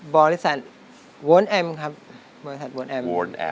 บริษัทวนแอมครับบริษัทวนแอม